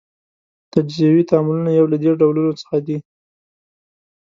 تجزیوي تعاملونه یو له دې ډولونو څخه دي.